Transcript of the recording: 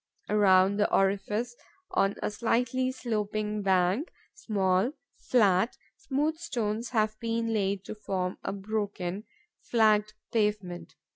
Around the orifice, on a slightly sloping bank, small, flat, smooth stones have been laid to form a broken, flagged pavement.